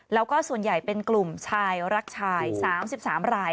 แล้วก็ส่วนใหญ่เป็นกลุ่มชายรักชาย๓๓ราย